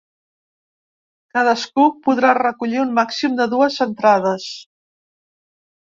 Cadascú podrà recollir un màxim de dues entrades.